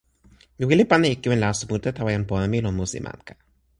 mi wile pana e kiwen laso mute tawa jan pona mi lon musi Manka.